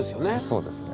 そうですね。